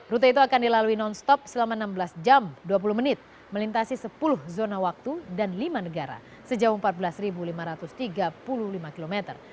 rute itu akan dilalui non stop selama enam belas jam dua puluh menit melintasi sepuluh zona waktu dan lima negara sejauh empat belas lima ratus tiga puluh lima km